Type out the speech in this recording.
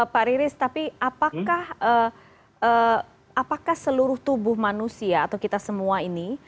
pak riris tapi apakah seluruh tubuh manusia atau kita semua ini